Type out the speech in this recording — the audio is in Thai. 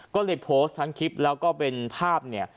ก็เลยโพสต์ทั้งคลิปแล้วก็เป็นภาพเนี่ย